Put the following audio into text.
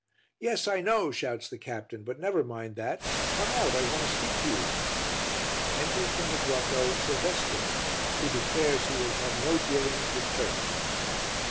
"Yes, I know," shouts the captain, "but never mind that. Come out, I want to speak to you." Enter, from the grotto, Silvestro who declares he will have no dealings with Turks.